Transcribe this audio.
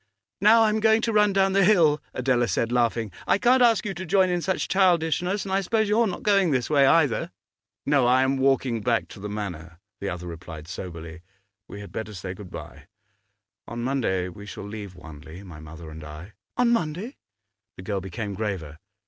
'Now I am going to run down the hill,' Adela said, laughing. 'I can't ask you to join in such childishness, and I suppose you are not going this way, either?' 'No, I am walking back to the Manor,' the other replied soberly. 'We had better say good bye. On Monday we shall leave Wanley, my mother and I.' 'On Monday?' The girl became graver.